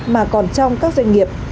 mà còn trong các doanh nghiệp